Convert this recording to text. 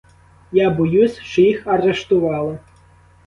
Я боюсь, що їх арештували.